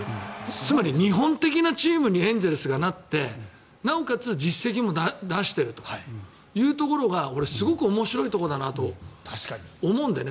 つまり、日本的なチームにエンゼルスがなってなおかつ実績も出しているというところが俺、すごく面白いところだなと思うんでね。